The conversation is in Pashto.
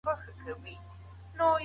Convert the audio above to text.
ویټسي د زکام مخه نیسي.